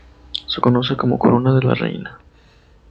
Se conoce como "corona de la Reina".